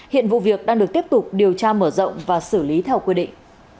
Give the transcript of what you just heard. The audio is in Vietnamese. hiện vụ việc đang được tiếp tục điều tra mở rộng và xử lý theo quy định